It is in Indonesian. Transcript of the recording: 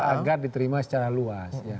agar diterima secara luas